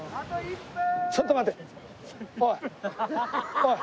ちょっと待て。